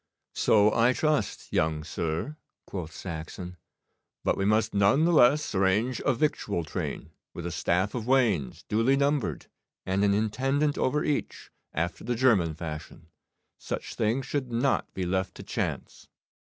'So I trust, young sir,' quoth Saxon, 'but we must none the less arrange a victual train, with a staff of wains, duly numbered, and an intendant over each, after the German fashion. Such things should not be left to chance.